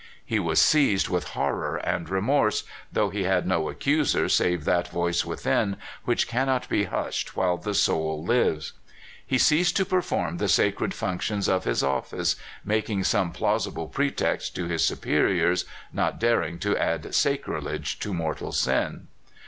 He was seized with horror and remorse, though he had no accuser save that voice within, which cannot be hushed while the soul lives. He ceased to perform the sacred functions of his office, making some plausible pretext to his superiors, not daring to add sacrilege to mortal sin.